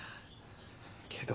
けど。